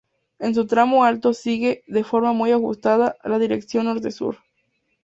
En su tramo alto, sigue, de forma muy ajustada, la dirección norte-sur.